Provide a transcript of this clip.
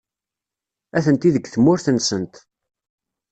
Atenti deg tmurt-nsent.